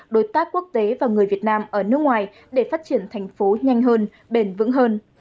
đối tác quốc tế và người việt nam ở nước ngoài để phát triển thành phố nhanh hơn bền vững hơn